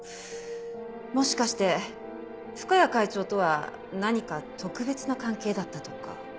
もしかして深谷会長とは何か特別な関係だったとか？